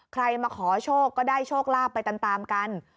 ใครมาขอโชคก็ได้โชคลาภไปตามกัน